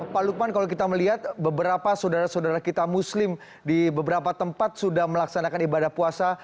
pak lukman kalau kita melihat beberapa saudara saudara kita muslim di beberapa tempat sudah melaksanakan ibadah puasa